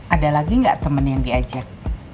ada lagi nggak temen yang diajak